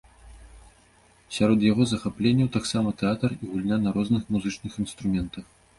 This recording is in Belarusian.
Сярод яго захапленняў таксама тэатр і гульня на розных музычных інструментах.